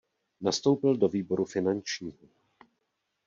Nastoupil do výboru finančního.